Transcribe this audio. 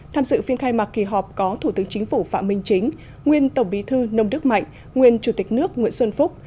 tham dự phiên khai mạc kỳ họp có thủ tướng chính phủ phạm minh chính nguyên tổng bí thư nông đức mạnh nguyên chủ tịch nước nguyễn xuân phúc